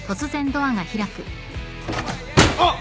あっ！